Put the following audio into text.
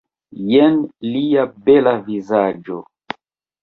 Jen lia bela vizaĝo